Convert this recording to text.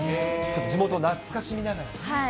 ちょっと地元懐かしみながらはい。